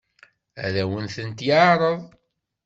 Ad awen-tent-yeɛṛeḍ?